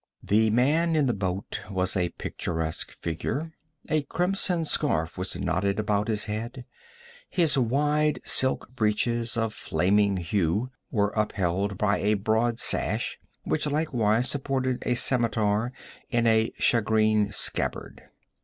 The man in the boat was a picturesque figure. A crimson scarf was knotted about his head; his wide silk breeches, of flaming hue, were upheld by a broad sash which likewise supported a scimitar in a shagreen scabbard.